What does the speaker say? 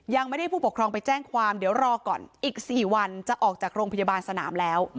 ยังไม่ได้ผู้ปกครองไปแจ้งความเดี๋ยวรอก่อนอีก๔วันจะออกจากโรงพยาบาลสนามแล้ว